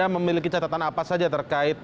memiliki catatan apa saja terkait